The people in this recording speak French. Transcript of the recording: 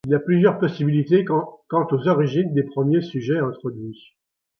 Il y a plusieurs possibilités quant aux origines des premiers sujets introduits.